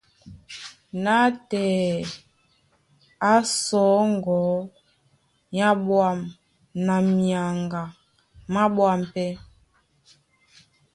Nátɛɛ á sɔ̌ ŋgɔ̌ á ɓwâm na myaŋga má ɓwâm pɛ́.